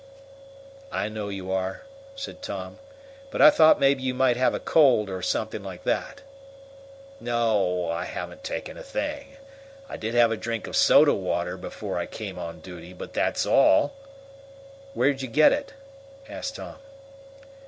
"I know you are," said Tom; "but I thought maybe you might have a cold, or something like that." "No, I haven't taken a thing. I did have a drink of soda water before I came on duty, but that's all." "Where'd you get it?" asked Tom.